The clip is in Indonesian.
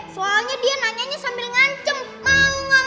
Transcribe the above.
soalnya dia nanyanya sambil ngancem